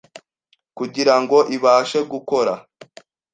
kugira ngo ibashe gukora,